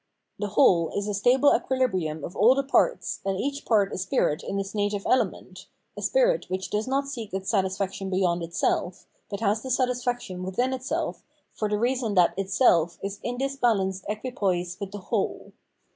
The whole is a stable equihbrium of all the parts, and each part a spirit in its native element, a spirit which does not seek its satisfaction beyond itself, but has the satisfaction within itself for the reason that itself is in this balanced equipoise with the whole.